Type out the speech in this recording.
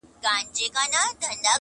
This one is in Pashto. يوه ورځ پر اوداسه ناست پر گودر وو٫